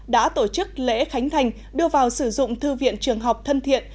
đã tổ chức lễ khánh thành đưa vào sử dụng thư viện trường học thân thiện